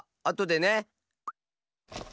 あとでね。